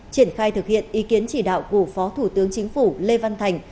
triển khai thực hiện ý kiến chỉ đạo của phó thủ tướng chính phủ lê văn thành